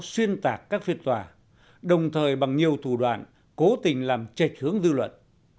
xuyên tạc các phiên tòa đồng thời bằng nhiều thủ đoạn cố tình làm trạch hướng dư luận